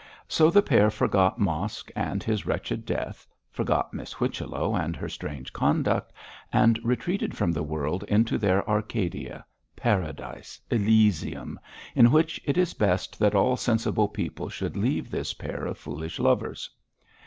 So the pair forgot Mosk and his wretched death, forgot Miss Whichello and her strange conduct, and retreated from the world into their Arcadia Paradise Elysium, in which it is best that all sensible people should leave this pair of foolish lovers.